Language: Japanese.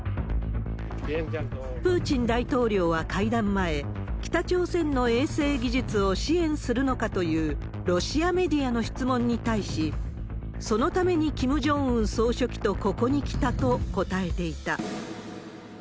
プーチン大統領は会談前、北朝鮮の衛星技術を支援するのかというロシアメディアの質問に対し、そのためにキム・ジョンウン総書記とここに来たと答えていた。